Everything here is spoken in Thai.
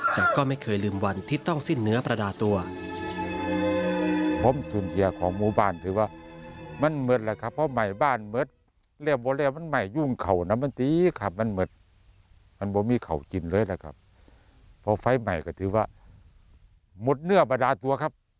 แต่ก็ไม่เคยลืมวันที่ต้องสิ้นเนื้อประดาตัว